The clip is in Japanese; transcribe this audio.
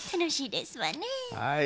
はい。